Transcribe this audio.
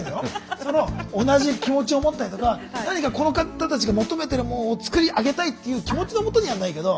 その同じ気持ちを持ったりとか何かこの方たちが求めてるもんを作り上げたいっていう気持ちのもとにやるのはいいけど。